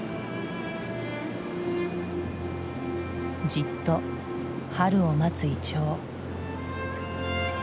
じっと春を待つイチョウ。